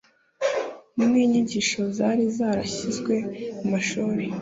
ni n’inyigisho zari zarashyizwe mu mashuri.